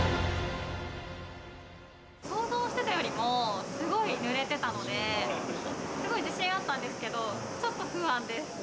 想像してたよりもすごい濡れてたので、すごい自信あったんですけど、ちょっと不安です。